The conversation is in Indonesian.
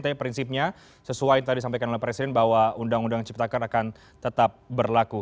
tapi prinsipnya sesuai yang tadi disampaikan oleh presiden bahwa undang undang ciptakan akan tetap berlaku